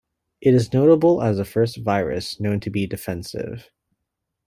It is notable as the first virus known to be defensive.